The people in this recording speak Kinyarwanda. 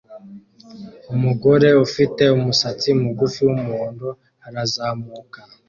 Umugore ufite umusatsi mugufi wumuhondo arazamuka